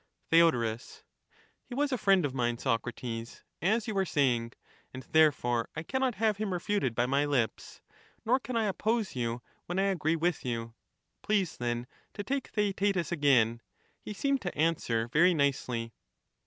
Theodorus, Theod, He was a friend of mine, Socrates, as you were saying, and therefore I cannot have him refuted by my lips, nor can I oppose you when I agree with you ; please, then, to take Theaetetus again ; he seemed to answer very nicely.